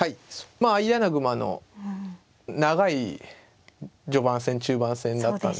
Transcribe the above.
まあ相穴熊の長い序盤戦中盤戦だったんですけど。